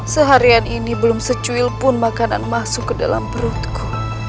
seharian ini belum secuil pun makanan masuk ke dalam perutku